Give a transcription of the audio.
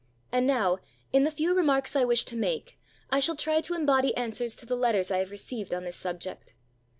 And now, in the few remarks I wish to make, I shall try to embody answers to the letters I have received on this subject.